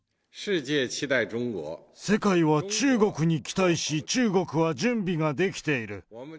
世界は中国に期待し、中国は準備ができている。